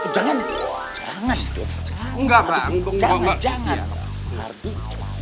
kalau enggak gimana kalau saya ajari mereka untuk mempunyai naluri sekuat saya